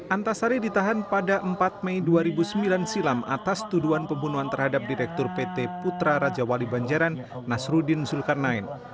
antasari ditahan pada empat mei dua ribu sembilan silam atas tuduhan pembunuhan terhadap direktur pt putra raja wali banjaran nasruddin zulkarnain